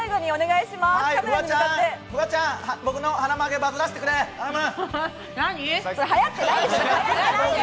フワちゃん僕の鼻曲げはやらしてくれ、頼む。